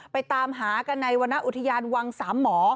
ตามหากันในวรรณอุทยานวังสามหมอ